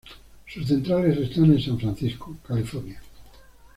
Sus centrales están en San Francisco, California.